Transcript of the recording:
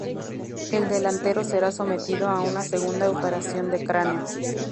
El delantero será sometido a una segunda operación de cráneo.